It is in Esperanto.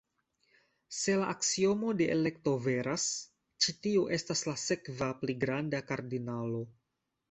Se la aksiomo de elekto veras, ĉi tiu estas la sekva pli granda kardinalo.